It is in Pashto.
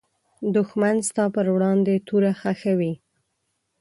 دښمن ستا پر وړاندې توره خښوي